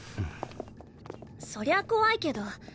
そりゃ怖いけど。